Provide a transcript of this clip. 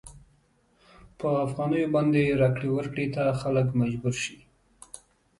په افغانیو باندې راکړې ورکړې ته خلک مجبور شي.